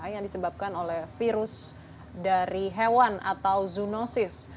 yang disebabkan oleh virus dari hewan atau zoonosis